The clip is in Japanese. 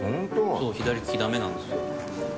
そう左ききダメなんですよ。